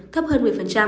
thấp hơn một mươi